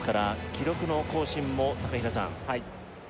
記録の更新も平さんはい